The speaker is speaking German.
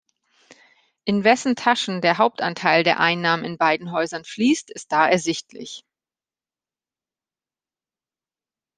In wessen Taschen der Hauptanteil der Einnahmen in beiden Häusern fließt, ist da ersichtlich.